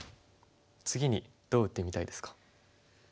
次にどう打ってみたいですか？